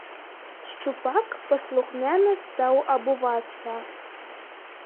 Шчупак паслухмяна стаў абувацца.